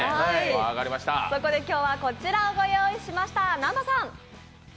そこで今日はこちらをご用意しました。